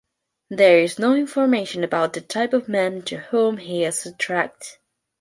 There is no information about the type of man to whom he is attracted.